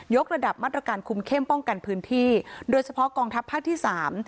กระดับมาตรการคุมเข้มป้องกันพื้นที่โดยเฉพาะกองทัพภาคที่สาม